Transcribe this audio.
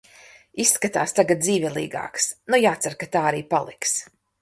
Izskatās tagad dzīvelīgāks, nu jācer, ka tā arī paliks.